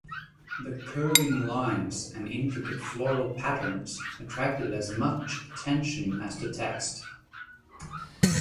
The curving lines and intricate floral patterns attracted as much attention as the text.